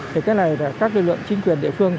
thì cái này là các lưuận chính quyền địa phương